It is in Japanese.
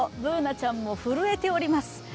Ｂｏｏｎａちゃんも震えております。